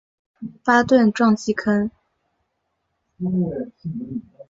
巴顿撞击坑